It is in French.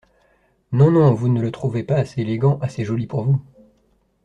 Non, non, vous ne le trouvez pas assez élégant, assez joli pour vous !